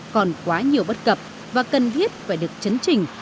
còn quá nhiều bất cập và cần thiết phải được chấn trình